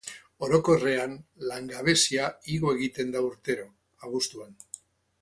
Orokorrean, langabezia igo egiten da urtero, abuztuan.